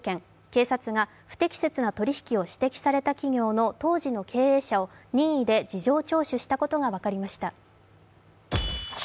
警察が不適切な取り引きを指摘されて企業の当時の経営者を任意で事情聴取したことが分かりました。